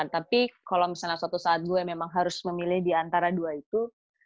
tapi kalau misalnya suatu saat gue memang harus memilih di antara dua itu